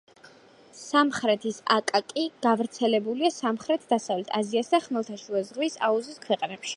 სამხრეთის აკაკი გავრცელებულია სამხრეთ-დასავლეთ აზიასა და ხმელთაშუა ზღვის აუზის ქვეყნებში.